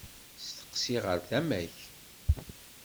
Steqsi ɣer tama-k.